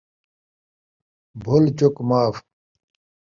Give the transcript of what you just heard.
بھل چُک معاف